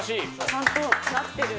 ちゃんとなってる。